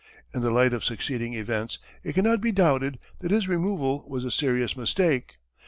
In the light of succeeding events, it cannot be doubted that his removal was a serious mistake.